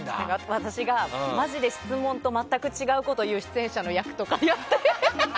私がマジで質問と全く違うことをいう出演者の役とかをやったり。